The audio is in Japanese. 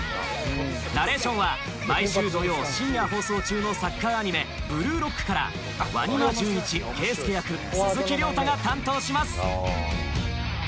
ナレーションは毎週土曜深夜放送中のサッカーアニメ「ブルーロック」から鰐間淳壱、計助役鈴木崚汰が担当します。